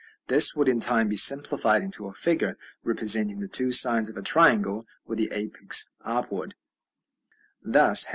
This would in time be simplified into a figure representing the two sides of a triangle with the apex upward, thus, ###